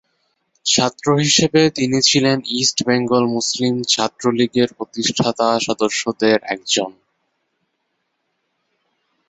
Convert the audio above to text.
ছাত্র হিসেবে তিনি ছিলেন ইস্ট বেঙ্গল মুসলিম ছাত্র লীগের প্রতিষ্ঠাতা সদস্যদের একজন।